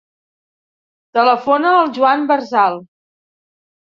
Telefona al Joan Berzal.